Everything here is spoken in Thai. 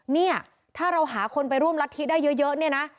เนี่ยถ้าเราหาคนไปร่วมรัฐธิได้เยอะเนี่ยนะ